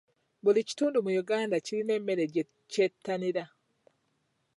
Buli kitundu mu Uganda kirina emmere gye kyettanira?